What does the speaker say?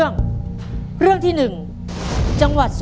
แบบช่วยดูเสลจคือทำทุกอย่างที่ให้น้องอยู่กับแม่ได้นานที่สุด